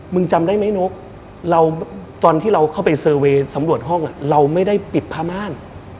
จำได้ไหมนกตอนที่เราเข้าไปเซอร์เวย์สำรวจห้องเราไม่ได้ปิดผ้าม่าน